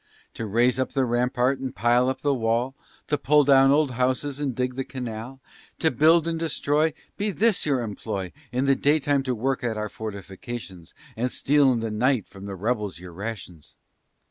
To raise up the rampart, and pile up the wall, To pull down old houses and dig the canal, To build and destroy, Be this your employ, In the daytime to work at our fortifications, And steal in the night from the rebels your rations.